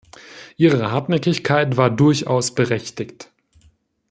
Ihre Hartnäckigkeit war durchaus berechtigt.